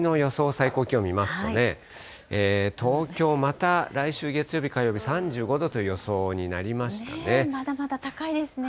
最高気温見ますとね、東京、また来週月曜日、火曜日、３５度という予想にまだまだ高いですね。